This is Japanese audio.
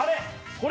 これ。